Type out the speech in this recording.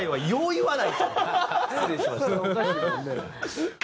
失礼しました。